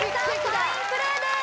ファインプレーです